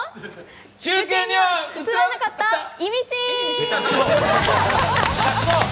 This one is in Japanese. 中継には映らなかったイミシーン！